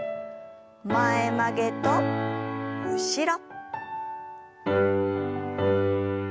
前曲げと後ろ。